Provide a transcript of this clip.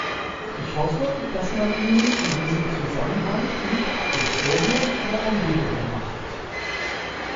Ich hoffe, dass man ihnen in diesem Zusammenhang nicht den Vorwurf der Anbiederung macht.